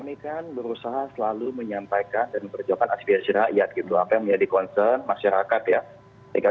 ya mbak karena bagaimanapun ya kami kan selalu berusaha menyampaikan dan mengerjakan asli asli rakyat gitu apa yang menjadi concern masyarakat ya